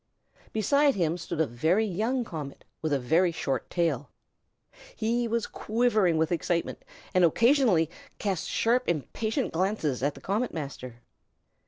Beside him stood a very young comet, with a very short tail. He was quivering with excitement, and occasionally cast sharp impatient glances at the Comet Master.